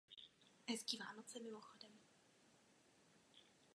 Pro klub to byl vůbec první postup do hlavní soutěže evropského poháru.